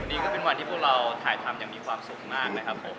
นี่ก็เป็นวันที่พวกเราถ่ายทำอย่างมีความสุขมากนะครับผม